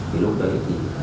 thì lúc đấy